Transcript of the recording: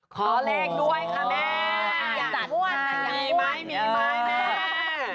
ขอเล็กด้วยค่ะแม่จัดมามีไหมมีไหมแม่